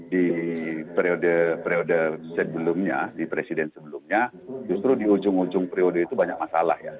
di periode periode sebelumnya di presiden sebelumnya justru di ujung ujung periode itu banyak masalah ya